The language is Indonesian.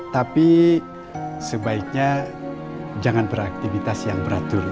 tapi sebaiknya jangan beraktivitas yang berat dulu ya